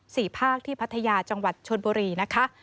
ภาคที่พัทยาจังหวัดชนบุรีนะคะ